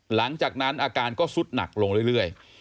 หลังจากนั้นอาการก็สุดหนักลงเรื่อย